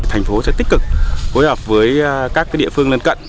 thành phố sẽ tích cực hối hợp với các địa phương lên cận